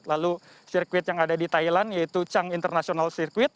lalu sirkuit yang ada di thailand yaitu chang international circuit